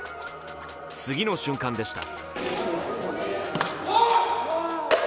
次の瞬間でした。